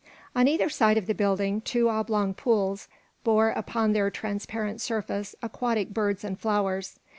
On either side of the building two oblong pools bore upon their transparent surface aquatic birds and flowers.